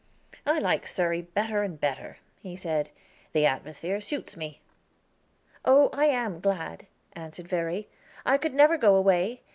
"I like Surrey better and better," he said; "the atmosphere suits me." "Oh, I am glad," answered Verry. "I could never go away.